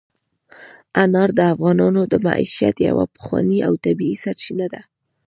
انار د افغانانو د معیشت یوه پخوانۍ او طبیعي سرچینه ده.